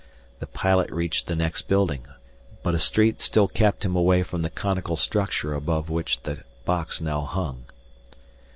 The pilot reached the next building, but a street still kept him away from the conical structure above which the box now hung.